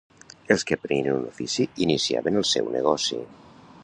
Els que aprenien un ofici iniciaven el seu negoci.